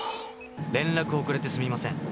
「連絡遅れてすいません」